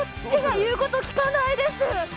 手が言うこと聞かないです。